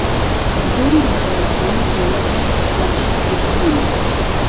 زۆرێک لە دەوڵەتان دەوڵەتی یەکگرتوون